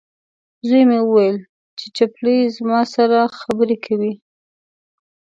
زوی مې وویلې، چې چپلۍ یې زما سره خبرې کوي.